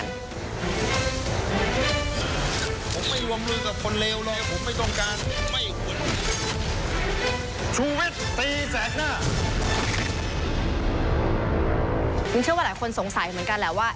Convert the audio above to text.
ผมเชื่อว่าหลายคนสงสัยเหมือนกันแหละว่า